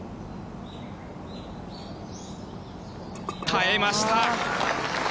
耐えました。